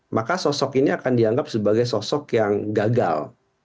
maka sosok ini akan dianggap sebagai sosok yang gagal